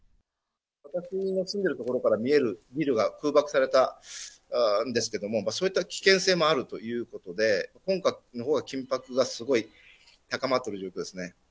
私が住んでいる所から見えるビルが空爆されたんですけれども、そういった危険性もあるということで、今回は緊迫がすごい高まっている状況ですね。